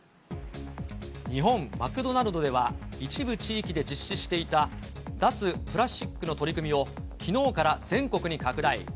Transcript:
日本マクドナルドでは、一部地域で実施していた脱プラスチックの取り組みを、きのうから全国に拡大。